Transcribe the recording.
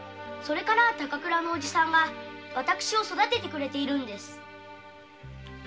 それからは高倉のおじさんが私を育ててくれているんです。